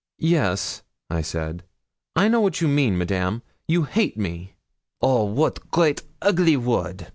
'Yes,' I said; 'I know what you mean, Madame you hate me.' 'Oh! wat great ogly word!